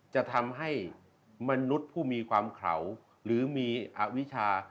จะทำให้มนุษย์ผู้มีความเขลาหรือมีอวิชา